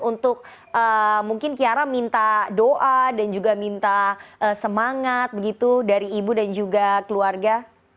untuk mungkin kiara minta doa dan juga minta semangat begitu dari ibu dan juga keluarga